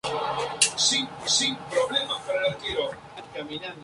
La organiza la Federación Territorial Extremeña de Fútbol.